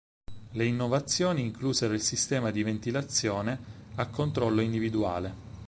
Le innovazioni inclusero il sistema di ventilazione a controllo individuale.